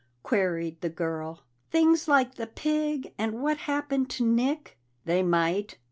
queried the girl. "Things like the pig and what happened to Nick?" "They might."